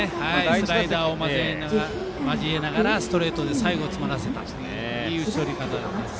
スライダーを交えながらストレートで最後、詰まらせたといういい打ち取り方だったです。